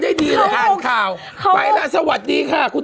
หายนิ้วมือคน